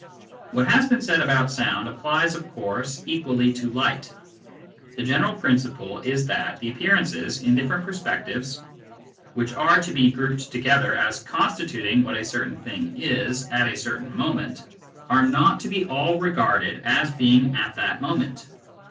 What has been said about sound applies of course equally to light. The general principle is that the appearances, in different perspectives, which are to be grouped together as constituting what a certain thing is at a certain moment, are not to be all regarded as being at that moment.